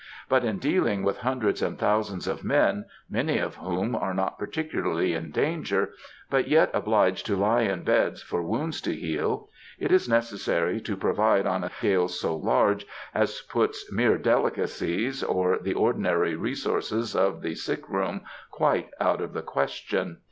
But in dealing with hundreds and thousands of men, many of whom are not particularly in danger, but yet obliged to lie in beds for wounds to heal, it is necessary to provide on a scale so large as puts mere delicacies, or the ordinary resources of the sick room, quite out of the question.